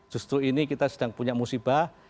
justru ini kita sedang punya musibah